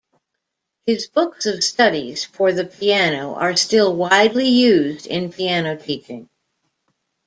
His books of studies for the piano are still widely used in piano teaching.